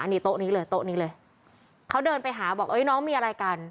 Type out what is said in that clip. นี่โต๊ะนี้เลยโต๊ะนี้เลยเขาเดินไปหาบอกเอ้ยน้องมีอะไรกัน